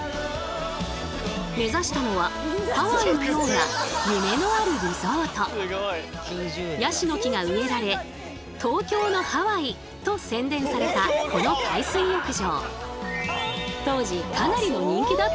目指したのはハワイのようなヤシの木が植えられ「東京のハワイ」と宣伝されたこの海水浴場。